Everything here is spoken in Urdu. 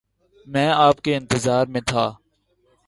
میں آپ کے انتظار میں تھا